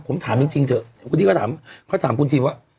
ผมถามจริงเถอะคุณดีก็ถามเขาถามคุณทีมว่า